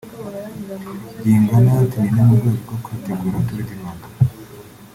Byingana ati “Ni no mu rwego rwo kwitegura Tour du Rwanda